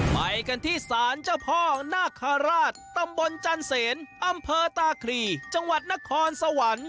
ไปกันที่ศาลเจ้าพ่อนาคาราชตำบลจันเสนอำเภอตาครีจังหวัดนครสวรรค์